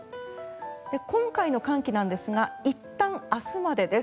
今回の寒気なんですがいったん明日までです。